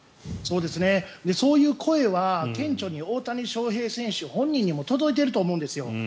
そういう声は顕著に大谷翔平選手本人にも届いていると思うんです。